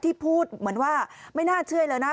พูดเหมือนว่าไม่น่าเชื่อเลยนะ